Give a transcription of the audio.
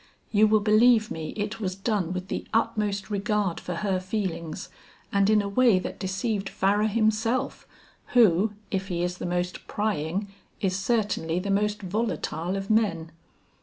You will believe me it was done with the utmost regard for her feelings and in a way that deceived Farrar himself, who if he is the most prying is certainly the most volatile of men.